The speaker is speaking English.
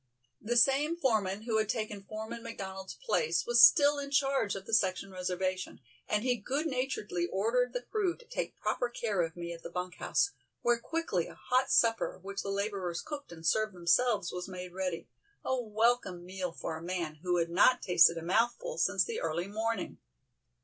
The same foreman, who had taken Foreman McDonald's place was still in charge of the section reservation, and he good naturedly ordered the crew to take proper care of me at the bunk house, where quickly a hot supper, which the laborers cooked and served themselves, was made ready, a welcome meal for a man who had not tasted a mouthful since the early morning.